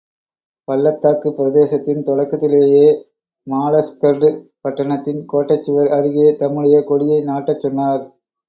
பள்ளத்தாக்குப் பிரதேசத்தின் தொடக்கத்திலேயே மாலஸ்கர்டு பட்டணத்தின் கோட்டைச் சுவர் அருகே தம்முடைய கொடியை நாட்டச் சொன்னார்.